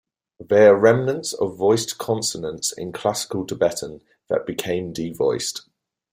They are remnants of voiced consonants in Classical Tibetan that became devoiced.